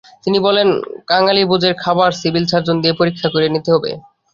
তিনি বলেন, কাঙালিভোজের খাবার সিভিল সার্জন দিয়ে পরীক্ষা করিয়ে নিতে হবে।